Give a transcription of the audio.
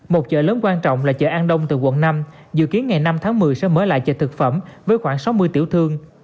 một chợ lớn quan trọng là chợ an đông từ quận năm dự kiến ngày năm tháng một mươi sẽ mở lại chợ thực phẩm với khoảng sáu mươi tiểu thương